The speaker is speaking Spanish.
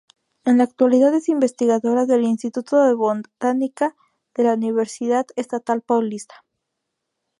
En la actualidad es investigadora del Instituto de Botánica de la Universidad Estatal Paulista.